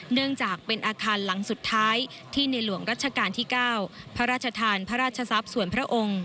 เนื่องจากเป็นอาคารหลังสุดท้ายที่ในหลวงรัชกาลที่๙พระราชทานพระราชทรัพย์ส่วนพระองค์